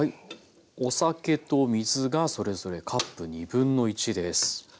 お酒と水がそれぞれカップ1/2です。